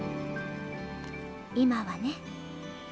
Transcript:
今はね。